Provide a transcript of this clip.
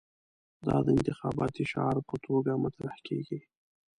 دا د انتخاباتي شعار په توګه مطرح کېږي.